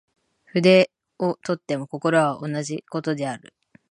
筆を執とっても心持は同じ事である。